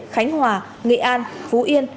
khánh hòa nghệ an phú yên